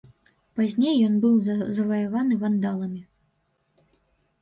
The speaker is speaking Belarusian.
Пазней ён быў заваяваны вандаламі.